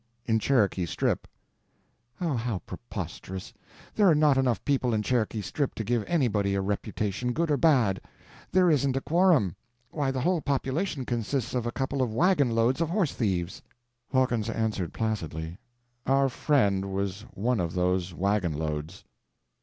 "In Cherokee Strip." "Oh, how preposterous! There are not enough people in Cherokee Strip to give anybody a reputation, good or bad. There isn't a quorum. Why the whole population consists of a couple of wagon loads of horse thieves." Hawkins answered placidly— "Our friend was one of those wagon loads."